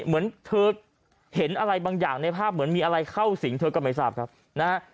เหมือนเธอเห็นอะไรบางอย่างในภาพเหมือนมีอะไรเข้าสิงเธอก็ไม่ทราบครับนะฮะ